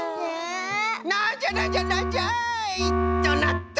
なんじゃなんじゃなんじゃ？となっと。